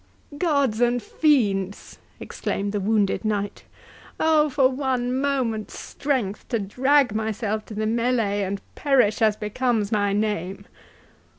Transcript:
"Gods and fiends!" exclaimed the wounded knight; "O, for one moment's strength, to drag myself to the 'melee', and perish as becomes my name!"